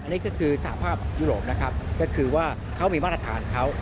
นี่ก็คือสหภาพยุโรปนะครับก็คือว่าเขามีมาตรฐานเขา